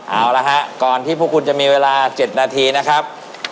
เอาละฮะก่อนที่พวกคุณจะมีเวลา๗นาทีนะครับ